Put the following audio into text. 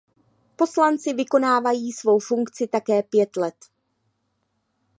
Poslanci vykonávají svou funkci také pět let.